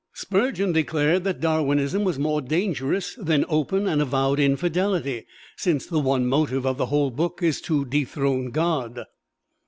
Spurgeon declared that Darwinism was more dangerous than open and avowed infidelity, since "the one motive of the whole book is to dethrone God."